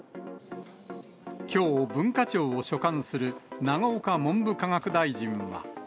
きょう、文化庁を所管する永岡文部科学大臣は。